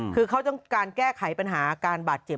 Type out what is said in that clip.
คือเขาต้องการแก้ไขปัญหาการบาดเจ็บ